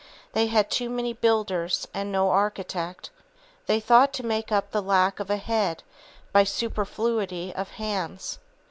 They had too many builders, and no architect. They thought to make up the lack of a head by a superfluity of hands.